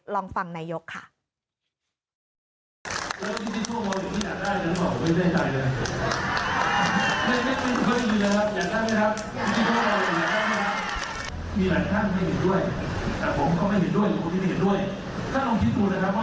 ลองฟังนายกค่ะ